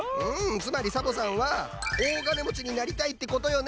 つまりサボさんは大金もちになりたいってことよね？